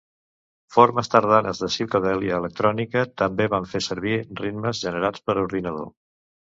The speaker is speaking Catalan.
Formes tardanes de psicodèlia electrònica també van fer servir ritmes generats per ordinador.